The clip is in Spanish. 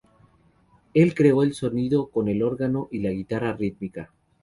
Él creó el sonido con el órgano y la guitarra rítmica.